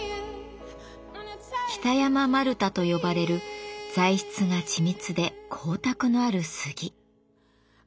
北山丸太と呼ばれる材質が緻密で光沢のある杉。